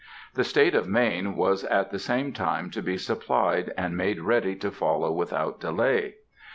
The State of Maine was at the same time to be supplied and made ready to follow without delay.